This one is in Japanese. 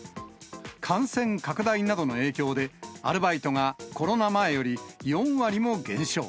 感染拡大などの影響で、アルバイトがコロナ前より４割も減少。